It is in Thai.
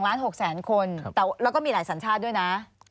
ประมาณ๒๖๐๐๐๐๐คนแล้วก็มีหลายสัญชาติด้วยนะ